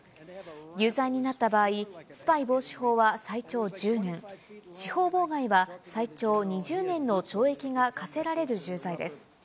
有罪になった場合、スパイ防止法は最長１０年、司法妨害は最長２０年の懲役が科せられる重罪です。